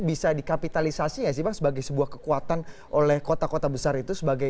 bisa dikapitalisasi nggak sih bang sebagai sebuah kekuatan oleh kota kota besar itu sebagai